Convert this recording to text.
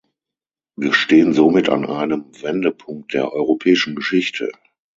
Wir stehen somit an einem Wendepunkt der europäischen Geschichte.